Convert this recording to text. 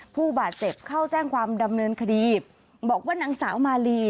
ผู้บาดเจ็บเข้าแจ้งความดำเนินคดีบอกว่านางสาวมาลี